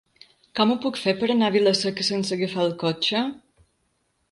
Com ho puc fer per anar a Vila-seca sense agafar el cotxe?